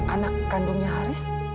anak kandungnya haris